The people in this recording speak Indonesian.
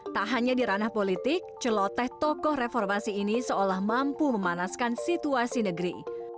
tak hanya di ranah politik celoteh tokoh reformasi ini seolah mampu memanaskan situasi negeri